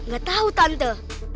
gak tahu tante